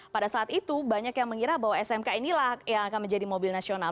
pada saat itu banyak yang mengira bahwa smk inilah yang akan menjadi mobil nasional